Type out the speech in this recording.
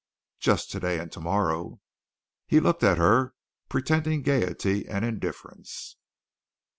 "Just today and tomorrow." He looked at her, pretending gaiety and indifference.